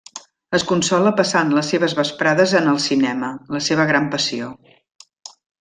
Es consola passant les seves vesprades en el cinema, la seva gran passió.